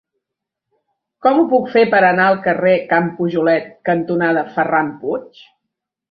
Com ho puc fer per anar al carrer Can Pujolet cantonada Ferran Puig?